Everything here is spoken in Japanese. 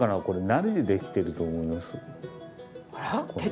これ何でできてると思います？